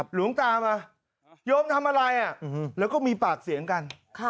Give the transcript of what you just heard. หลวงตามาโยมทำอะไรแล้วก็มีปากเสียงกัน